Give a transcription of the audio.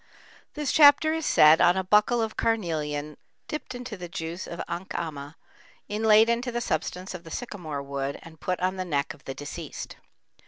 This chapter is said on a buckle of carnelian dipped into the juice of ankhama, inlaid into the substance of the sycamore wood and put on the neck of the deceased.